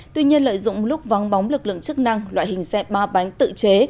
tuy nhiên lợi dụng lúc vắng bóng lực lượng chức năng loại hình xe ba bánh tự chế